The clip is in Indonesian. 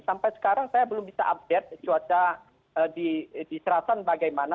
sampai sekarang saya belum bisa update cuaca di serasan bagaimana